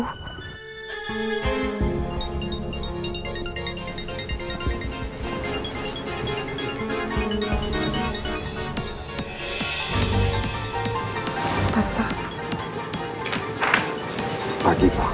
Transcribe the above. apa apa kapan aku bisa bertahan